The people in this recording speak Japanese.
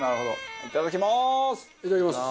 いただきます！